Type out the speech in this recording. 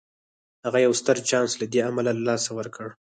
هغه يو ستر چانس له دې امله له لاسه ورکړ.